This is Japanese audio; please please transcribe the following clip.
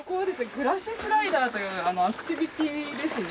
グラススライダーというアクティビティですね。